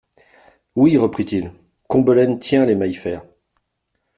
Oui, reprit-il, Combelaine tient les Maillefert.